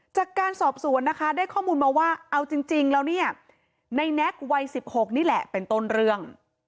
จากการสอบสวนนะคะได้ข้อมูลมาว่าเอาจริงแล้วเนี่ยในแน็กวัย๑๖นี่แหละเป็นต้นเรื่อง